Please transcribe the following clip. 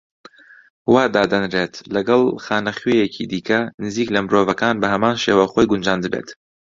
وا دادەنرێت، لەگەڵ خانەخوێیەکی دیکە نزیک لە مرۆڤەکان بە هەمان شێوە خۆی گونجاندبێت.